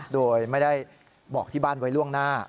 โดยไม่ได้บอกที่บ้านไว้ล่วงหน้า